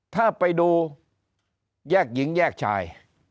ถ้าไปดูแยกหญิงแยกชาย